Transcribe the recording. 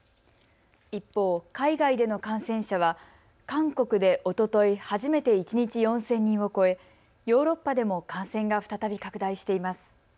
一方、海外での感染者は韓国でおととい初めて一日４０００人を超え、ヨーロッパでも感染が再び拡大しています。